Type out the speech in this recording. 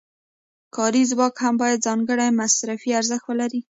کاري ځواک هم باید ځانګړی مصرفي ارزښت ولري